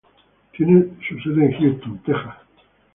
Tenía su sede en Houston, Texas.